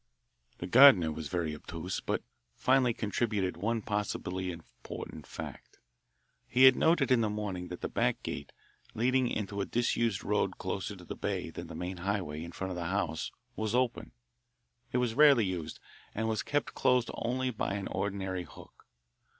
The gardener was very obtuse, but finally contributed one possibly important fact. He had noted in the morning that the back gate, leading into a disused road closer to the bay than the main highway in front of the house, was open. It was rarely used, and was kept closed only by an ordinary hook.